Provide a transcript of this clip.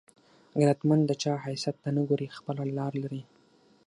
غیرتمند د چا حیثیت ته نه ګوري، خپله لار لري